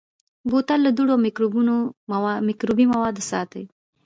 بوتل له دوړو او مکروبي موادو ساتي.